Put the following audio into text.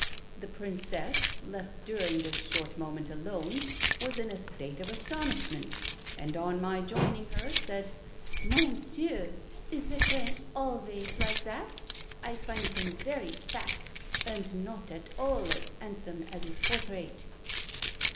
The Princess, left during this short moment alone, was in a state of astonishment; and, on my joining her, said, 'Mon Dieu, is the Prince always like that? I find him very fat, and not at all as handsome as his portrait.'"